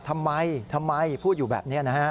ทำไมทำไมพูดอยู่แบบนี้นะฮะ